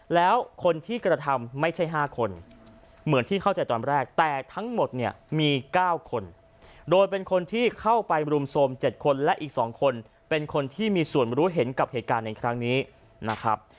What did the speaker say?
แล้วคนที่กระทำไม่ใช่๕คนเหมือนที่เข้าใจตอนแรกแต่ทั้งหมดเนี่ยมี๙คนโดยเป็นคนที่เข้าไปรุมโทรม๗คนและอีก๒คนเป็นคนที่มีส่วนรู้เห็นกับเหตุการณ์ในครั้งนี้นะครับ